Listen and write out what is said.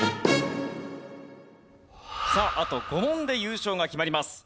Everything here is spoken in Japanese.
さああと５問で優勝が決まります。